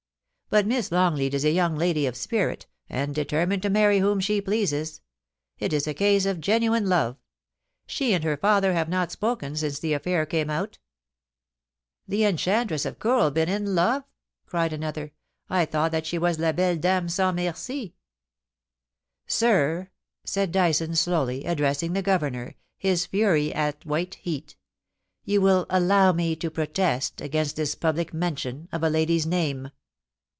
But Miss Longleat is a young lady of spirit, and determined to marry whom she pleases. It is a case of genuine love. She and her father have not spoken since the affair came out' * The Enchantress of Kooralbyn in love !' cried another. * I thought that she was la belle dame sans nurci,^ * Sir,' said Dyson slowly, addressing the Governor, his fury at white heat, *you will allow me to protest against this public mention of a lady's name.'